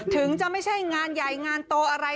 ถึงจะไม่ใช่งานใหญ่งานโตอะไร